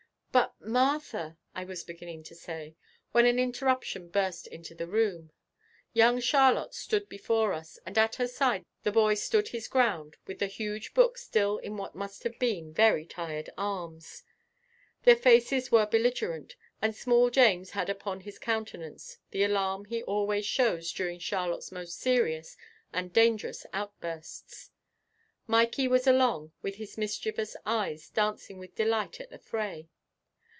"But, Martha," I was beginning to say, when an interruption burst into the room. Young Charlotte stood before us and at her side the boy stood his ground with the huge book still in what must have been very tired arms. Their faces were belligerent and small James had upon his countenance the alarm he always shows during Charlotte's most serious and dangerous outbursts. Mikey was along, with his mischievous eyes dancing with delight at the fray.